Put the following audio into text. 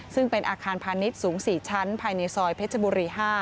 ซึ่งเป็นอาคารพาณิชย์สูง๔ชั้นภายในซอยเพชรบุรี๕